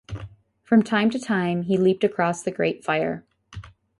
From time to time he leaped across the great fire.